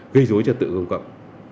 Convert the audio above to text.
gây rối trật tự công cộng